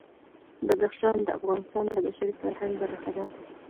بدخشان د افغانستان د بشري فرهنګ برخه ده.